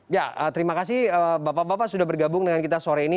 ya terima kasih bapak bapak sudah bergabung dengan kita sore ini